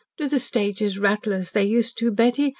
Do the stages rattle as they used to, Betty?